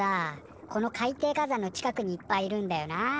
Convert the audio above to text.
この海底火山の近くにいっぱいいるんだよな。